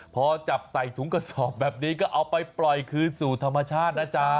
พอจับใส่ถุงกระสอบแบบนี้ก็เอาไปปล่อยคืนสู่ธรรมชาตินะจ๊ะ